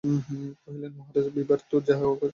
কহিলেন, মহারাজ, বিভার তো যাহা হয় একটা কিছু করিতে হইবে।